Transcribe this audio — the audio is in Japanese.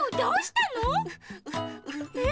えっ？